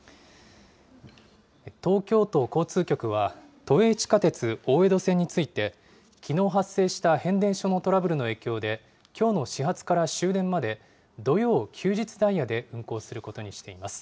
東京都交通局は都営地下鉄大江戸線について、きのう発生した変電所のトラブルの影響で、きょうの始発から終電まで、土曜・休日ダイヤで運行することにしています。